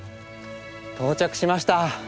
到着しました！